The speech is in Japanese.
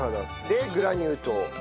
でグラニュー糖。